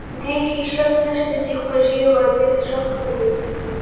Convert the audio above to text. دې کې شک نشته چې خوږې وعدې زړه خپلوي.